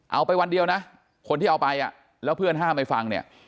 ไปวันเดียวนะคนที่เอาไปอ่ะแล้วเพื่อนห้ามไม่ฟังเนี่ย